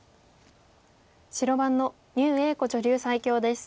白番の牛栄子女流最強です。